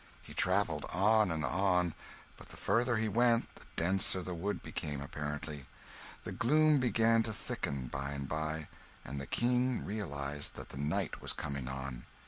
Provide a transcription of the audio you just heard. He travelled on and on; but the farther he went, the denser the wood became, apparently. The gloom began to thicken, by and by, and the King realised that the night was coming on.